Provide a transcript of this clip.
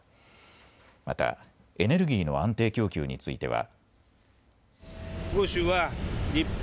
またエネルギーの安定供給については。